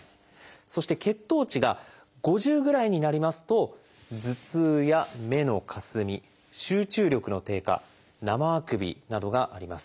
そして血糖値が５０ぐらいになりますと頭痛や目のかすみ集中力の低下生あくびなどがあります。